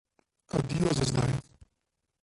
Adijo za zdaj!